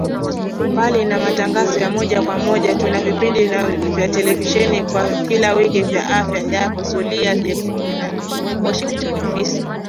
Mbali na matangazo ya moja kwa moja tuna vipindi vya televisheni vya kila wiki vya Afya Yako, Zulia Jekundu na Washington Ofisi